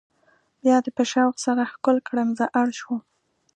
بیا دې په شوق سره ښکل کړم زه اړ شوم.